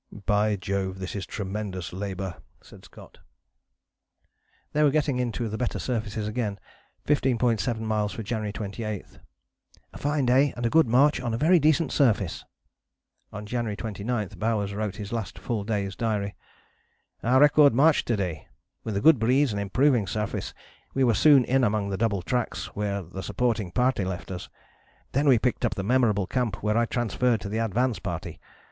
" "By Jove, this is tremendous labour," said Scott. They were getting into the better surfaces again: 15.7 miles for January 28, "a fine day and a good march on very decent surface." On January 29 Bowers wrote his last full day's diary: "Our record march to day. With a good breeze and improving surface we were soon in among the double tracks where the supporting party left us. Then we picked up the memorable camp where I transferred to the advance party.